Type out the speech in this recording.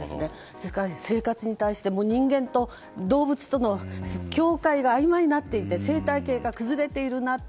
それから生活に対して人間と動物との境界があいまいになっていて生態系が崩れているなと。